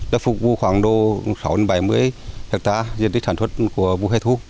đã phục vụ khoảng độ sáu bảy mươi thạc tá diện tích sản xuất của vụ hệ thu